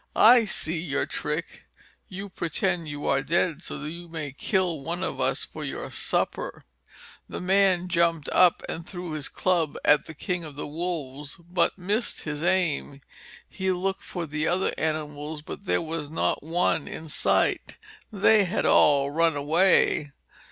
I see your trick. You pretend you are dead so that you may kill one of us for your supper." The man jumped up and threw his club at the King of the Wolves. But he missed his aim. He looked for the other animals but there was not one in sight. They had all run away.